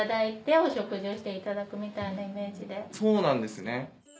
そうなんですね。